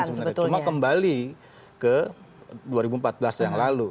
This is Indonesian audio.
cuma kembali ke dua ribu empat belas yang lalu